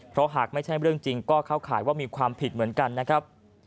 เพราะหากไม่ใช่เรื่องจริงก็เข้าข่ายว่ามีความผิดเหมือนกันนะครับ